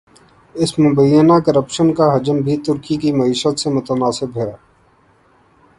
اس مبینہ کرپشن کا حجم بھی ترکی کی معیشت سے متناسب ہے۔